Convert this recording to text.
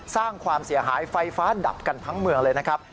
สร้างความเสียหายไฟฟ้าดับกันทั้งเมืองเลยนะครับ